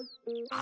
あ！